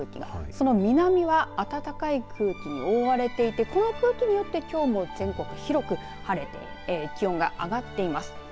その南は暖かい空気に覆われていてこの空気によってきょうも全国的に広く晴れて気温が上がっています。